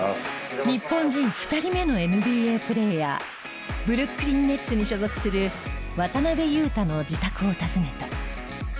日本人２人目のＮＢＡプレーヤーブルックリン・ネッツに所属する渡邊雄太の自宅を訪ねた。